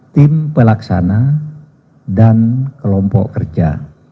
tim pelaksana dan kelompok kerja